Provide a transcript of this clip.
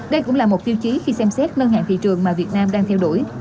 đây cũng là một tiêu chí khi xem xét nâng hạng thị trường mà việt nam đang theo đuổi